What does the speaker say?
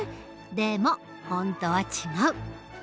でも本当は違う。